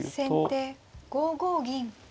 先手５五銀。